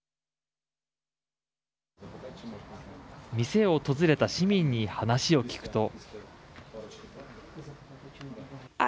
店を訪れた市民に話を聞くと。